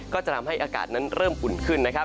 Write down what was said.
ก็จะทำให้อากาศนั้นเริ่มขุนขึ้น